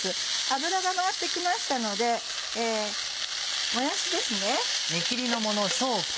油が回って来ましたのでもやしです。